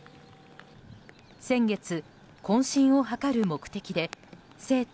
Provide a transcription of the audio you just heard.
先月、懇親を図る目的で生徒